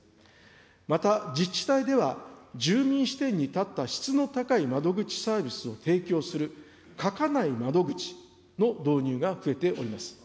また、自治体では、住民視点に立った質の高い窓口サービスを提供する、書かない窓口の導入が増えております。